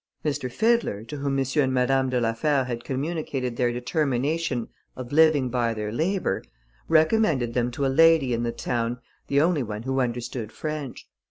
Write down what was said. M. Fiddler, to whom M. and Madame de la Fère had communicated their determination of living by their labour, recommended them to a lady in the town, the only one who understood French.